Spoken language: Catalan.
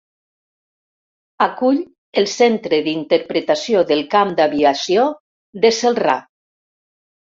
Acull el Centre d'interpretació del Camp d'aviació de Celrà.